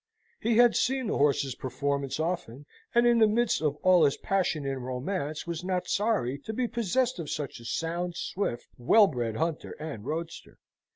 He had seen the horse's performance often, and in the midst of all his passion and romance, was not sorry to be possessed of such a sound, swift, well bred hunter and roadster.